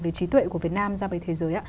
sở hữu trí tuệ của việt nam ra với thế giới